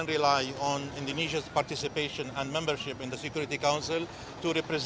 kegiatan indonesia dan keberadaan di keputusan pemerintah